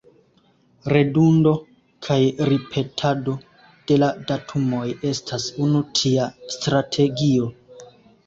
Redundo kaj ripetado de la datumoj estas unu tia strategio.